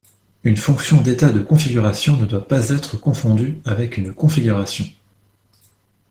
Une fonction d'état de configuration ne doit pas être confondue avec une configuration.